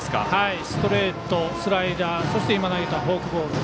ストレート、スライダーそして今投げたフォークボール。